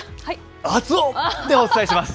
熱男！でお伝えします。